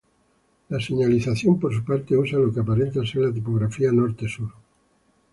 La señalización por su parte usa lo que aparenta ser la tipografía "Nord-Sud".